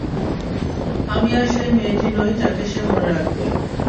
আমি আর সেই মেয়েটি নই যাকে সে মনে রাখবে।